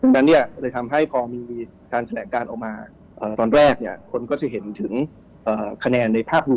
ดังนั้นเลยทำให้พอมีการแสดงการออกมาตอนแรกคนก็จะเห็นถึงคะแนนในภาพรวม